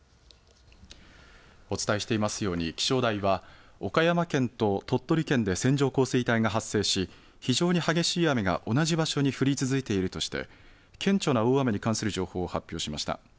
お伝えしていますように気象台は岡山県と鳥取県で線状降水帯が発生し非常に激しい雨が同じ場所に降り続いているとして顕著な大雨に関する情報を発表しました。